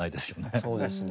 そうですね。